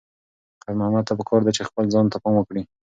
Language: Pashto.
خیر محمد ته پکار ده چې خپل ځان ته پام وکړي.